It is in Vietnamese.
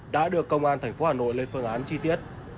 đã được công an thành phố hà nội lên phương án chi tiết